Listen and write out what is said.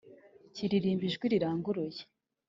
kuririmba n’ijwi riranguruye